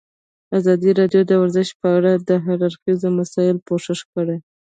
ازادي راډیو د ورزش په اړه د هر اړخیزو مسایلو پوښښ کړی.